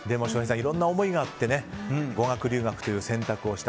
いろんな思いがあって語学留学という選択をした。